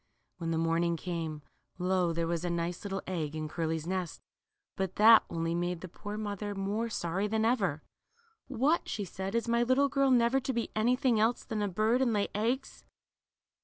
When the morning came, lo, there was a nice little egg in Curly's nest ! But that only made the poor mother more sorry than ever. What," she said, is my little girl never to be anything else than a bird, and lay eggs